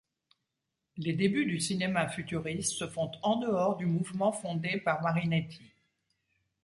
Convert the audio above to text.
Les débuts du cinéma futuriste se font en dehors du mouvement fondé par Marineti.